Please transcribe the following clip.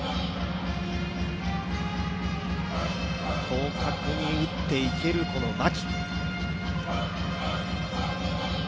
広角に打っていける牧。